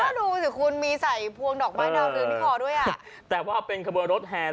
แล้วดูสิคุณมีใส่พวงดอกไม้ดาวเรืองที่คอด้วยอ่ะแต่ว่าเป็นขบวนรถแห่